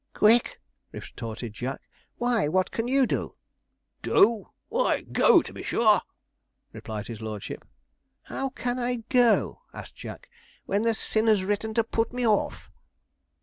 'Quick!' retorted Jack; 'why, what can you do?' 'Do! why, go to be sure,' replied his lordship. 'How can I go,' asked Jack, 'when the sinner's written to put me off?'